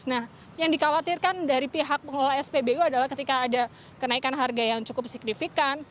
nah yang dikhawatirkan dari pihak pengelola spbu adalah ketika ada kenaikan harga yang cukup signifikan